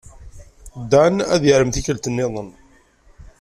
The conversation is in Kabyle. Dan ad yarem tikkelt niḍen.